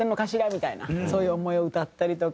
みたいなそういう思いを歌ったりとか。